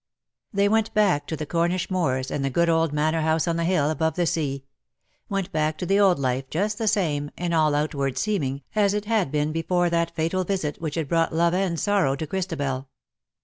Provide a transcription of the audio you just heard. They went back to the Cornisli moors, and the good old manor house on the hill above the sea ; went back to the old life_, just the same, in all outward seeming, as it had been before that fatal visit which had brought love and sorrow to Christabel.